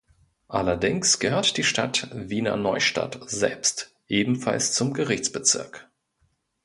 Allerdings gehört die Stadt Wiener Neustadt selbst ebenfalls zum Gerichtsbezirk.